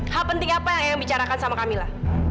hal penting apa yang eyang bicarakan sama kamila